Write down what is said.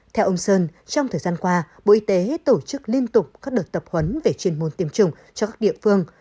theo ông sơn trong thời gian qua bộ y tế tổ chức liên tục các đợt tập huấn về chuyên môn tiêm chủng cho các địa phương